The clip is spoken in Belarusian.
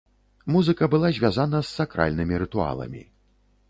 Музыка была звязана з сакральнымі рытуаламі.